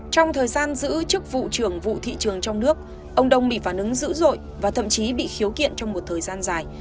trong thời gian giữ chức vụ trưởng vụ thị trường trong nước ông đông bị phản ứng dữ dội và thậm chí bị khiếu kiện trong một thời gian dài